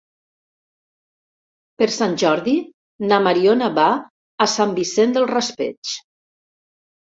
Per Sant Jordi na Mariona va a Sant Vicent del Raspeig.